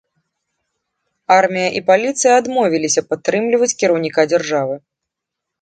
Армія і паліцыя адмовіліся падтрымліваць кіраўніка дзяржавы.